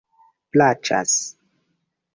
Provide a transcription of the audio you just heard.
plaĉas